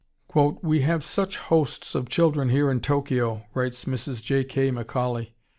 "We have such hosts of children here in Tokyo," writes Mrs. J. K. McCauley.